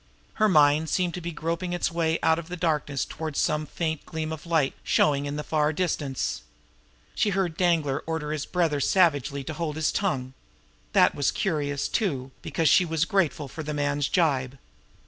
Her mind seemed to be groping its way out of darkness toward some faint gleam of light showing in the far distance. She heard Danglar order his brother savagely to hold his tongue. That was curious, too, because she was grateful for the man's gibe.